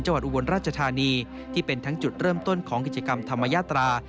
อุบลราชธานีที่เป็นทั้งจุดเริ่มต้นของกิจกรรมธรรมญาตรา